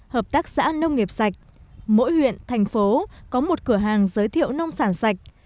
hợp tác xã nông nghiệp sạch mỗi huyện thành phố có một cửa hàng giới thiệu nông sản sạch